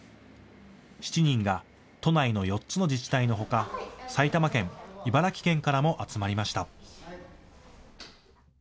７人が都内の４つの自治体のほか埼玉県、茨城県からも集まりました。